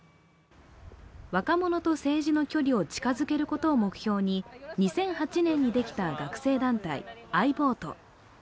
若者と政治の距離を近づけることを目標に２００８年にできた学生団体ｉｖｏｔｅ。